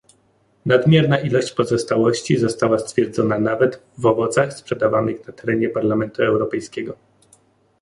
Nadmierna ilość pozostałości została stwierdzona nawet w owocach sprzedawanych na terenie Parlamentu Europejskiego